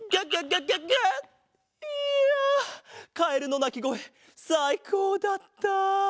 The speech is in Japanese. いやカエルのなきごえさいこうだった。